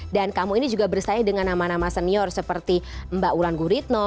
dan kamu ini juga bersaing dengan nama nama senior seperti mbak ulan guritno